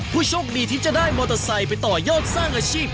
ผู้โชคดีที่จะได้มอเตอร์ไซค์ไปต่อยอดสร้างอาชีพ